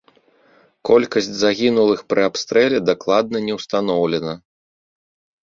Колькасць загінулых пры абстрэле дакладна не ўстаноўлена.